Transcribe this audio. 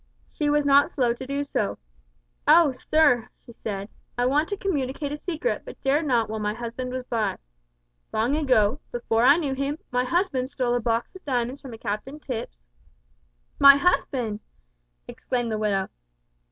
She was not slow to do so. `Oh, sir,' she said, `I want to communicate a secret, but dared not while my husband was by. Long ago, before I knew him, my husband stole a box of diamonds from a Captain Tipps '" "My husband!" exclaimed the widow.